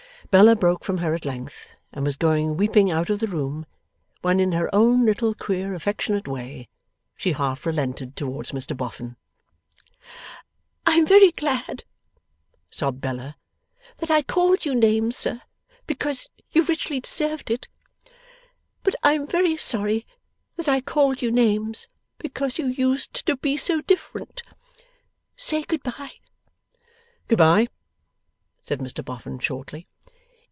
Bella broke from her at length, and was going weeping out of the room, when in her own little queer affectionate way, she half relented towards Mr Boffin. 'I am very glad,' sobbed Bella, 'that I called you names, sir, because you richly deserved it. But I am very sorry that I called you names, because you used to be so different. Say good bye!' 'Good bye,' said Mr Boffin, shortly.